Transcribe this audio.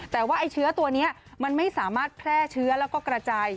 แต่ว่าไอ้เชื้อตัวนี้มันไม่สามารถแพร่เชื้อแล้วก็กระจาย